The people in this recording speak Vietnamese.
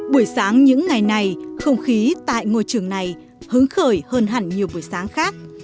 buổi sáng những ngày này không khí tại ngôi trường này hứng khởi hơn hẳn nhiều buổi sáng khác